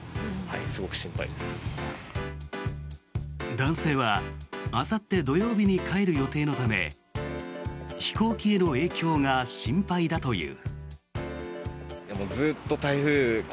男性はあさって土曜日に帰る予定のため飛行機への影響が心配だという。